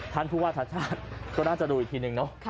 ท่านผู้ว่าทัชชาติก็น่าจะดูอีกทีหนึ่ง